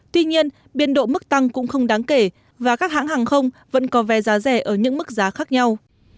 tuy nhiên biên độ mức tăng cũng không đáng kể và các hãng hàng không vẫn có vé giá rẻ ở những mức giá khác nhau